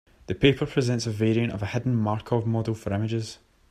The paper presents a variant of a hidden Markov model for images.